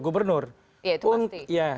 gubernur ya itu pasti